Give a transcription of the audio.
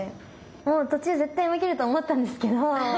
もう途中絶対負けると思ったんですけど。